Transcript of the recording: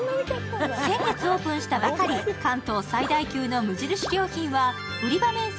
先月オープンしたばかり関東最大級の無印良品は売り場面積